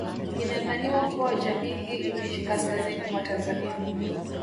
Inadhaniwa kuwa jamii hii imeishi kaskazini mwa Tanzania